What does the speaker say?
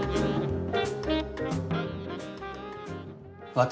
私